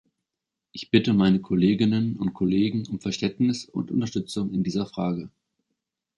Ich bitte meine Kolleginnen und Kollegen um Verständnis und Unterstützung in dieser Frage.